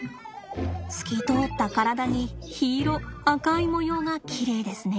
透き通った体に緋色赤い模様がきれいですね。